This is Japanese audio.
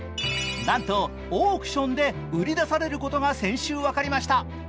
なんとオークションで売り出されることが先週分かりました。